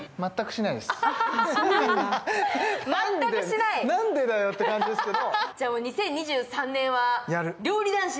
なんでだよって感じですけど。